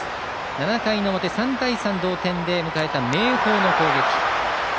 ７回表、３対３で迎えた明豊の攻撃。